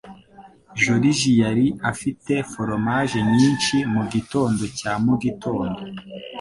Joriji yari afite foromaje nyinshi mugitondo cya mugitondo.